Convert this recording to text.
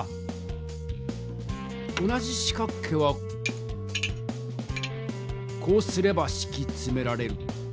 同じ四角形はこうすればしきつめられる。